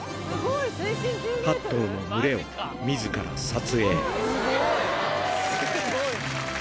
８頭の群れをみずから撮影。